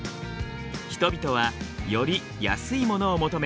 人々はより安いものを求め